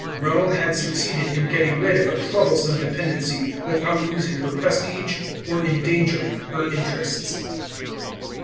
Rome had succeeded in getting rid of a troublesome dependency without losing her prestige or endangering her interests.